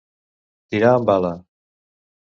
Tirar amb bala.